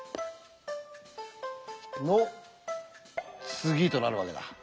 「３」はとなるわけだ。